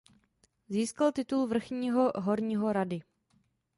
Získal titul vrchního horního rady.